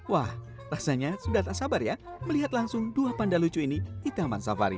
wah rasanya sudah tak sabar ya melihat langsung dua panda lucu ini di taman safari